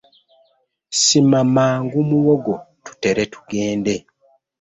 Sima mangu muwogo tutere tugende .